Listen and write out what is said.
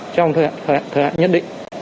trong thời hạn nhất định